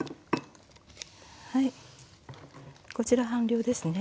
はいこちら半量ですね。